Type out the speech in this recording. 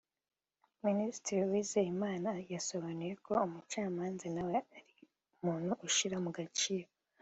Minisitiri Uwizeyimana yasobanuye ko umucamanza nawe ari umuntu ushyira mu gaciro